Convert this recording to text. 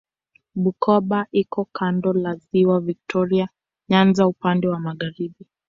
Bukoba iko kando la Ziwa Viktoria Nyanza upande wa magharibi.